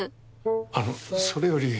あのそれより。